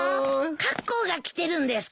カッコウが来てるんですか？